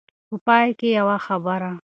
په پای کې يوه خبره.